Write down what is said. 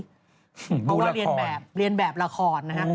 ดูละครเพราะว่าเรียนแบบเรียนแบบละคร